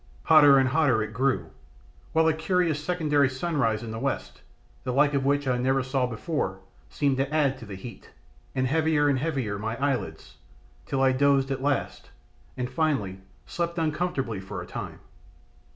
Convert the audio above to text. Hotter and hotter it grew, while a curious secondary sunrise in the west, the like of which I never saw before seemed to add to the heat, and heavier and heavier my eyelids, till I dozed at last, and finally slept uncomfortably for a time.